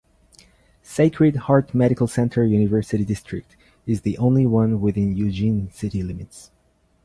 Sacred Heart Medical Center University District is the only one within Eugene city limits.